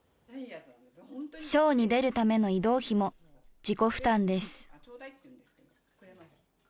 ショーに出るための移動費も自己負担です。